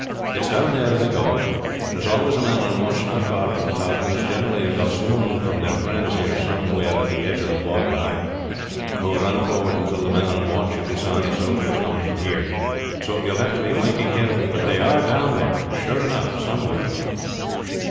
It's down there they go. There's always a man on watch not far from the top; and there is generally a gossoon from their friends here somewhere at the edge of the bog behind, who would run forward and tell the man on watch if he saw any soldiers coming from here. So you will have to be mighty careful; but they are down there, sure enough, somewhere.